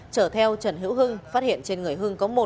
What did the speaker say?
trở theo trần hữu hưng phát hiện trên người hưng có một gói pháo nổ